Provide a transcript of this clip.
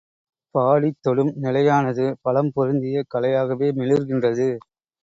பாடித் தொடும் நிலையானது, பலம் பொருந்திய கலையாகவே மிளிர்கின்றது.